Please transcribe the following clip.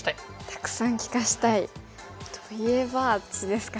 たくさん利かしたい。といえばあっちですかね。